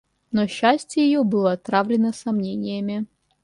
Но счастье ее было отравлено сомнениями.